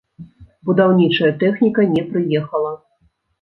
Будаўнічая тэхніка не прыехала.